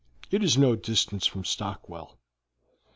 "It is no distance from Stockwell."